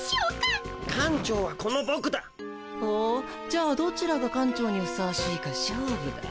じゃあどちらが館長にふさわしいか勝負だ。